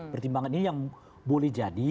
pertimbangan ini yang boleh jadi